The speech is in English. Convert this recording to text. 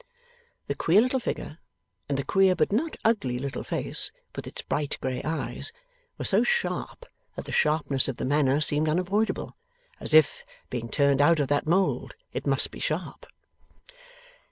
The queer little figure, and the queer but not ugly little face, with its bright grey eyes, were so sharp, that the sharpness of the manner seemed unavoidable. As if, being turned out of that mould, it must be sharp.